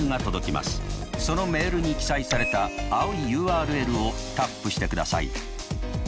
そのメールに記載された青いＵＲＬをタップしてください。